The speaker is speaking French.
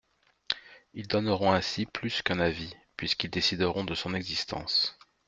Ils donneront ainsi plus qu’un avis, puisqu’ils décideront de son existence.